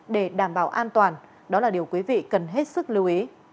để đảm bảo an toàn đó là điều quý vị cần hết sức lưu ý